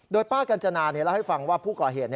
โดยป้ากัญจนาเล่าให้ฟังว่าผู้ก่อเหตุ